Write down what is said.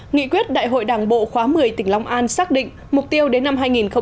nghị quyết đại hội đảng bộ khóa một mươi tỉnh long an xác định mục tiêu đến năm hai nghìn hai mươi năm